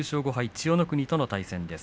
千代の国との対戦です。